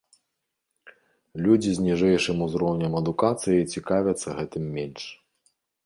Людзі з ніжэйшым узроўнем адукацыі цікавяцца гэтым менш.